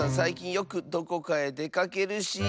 よくどこかへでかけるし。